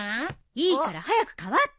いいから早く代わって。